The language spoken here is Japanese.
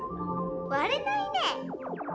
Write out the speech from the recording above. われないね。